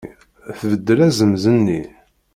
Tbeddel azemz-nni.